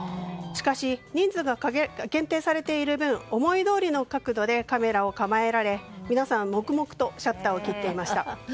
しかし人数が限定されている分思いどおりの角度でカメラを構えられ皆さん、黙々とシャッターを切っていました。